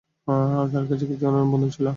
তার কাছে কি ধরনের বন্দুক ছিলো?